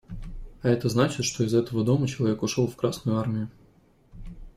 А это значит, что из этого дома человек ушел в Красную Армию.